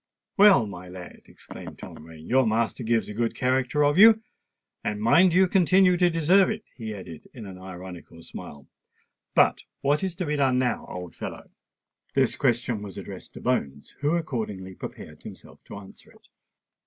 "Well, my lad," exclaimed Tom Rain, "your master gives a good character of you; and mind you continue to deserve it," he added with an ironical smile. "But what is to be done now, old fellow?" This question was addressed to Bones, who accordingly prepared himself to answer it.